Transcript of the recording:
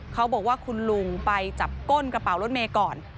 เขาบอกว่าคุณลุงไปจับก้นกระเป๋ารถเมย์ก่อน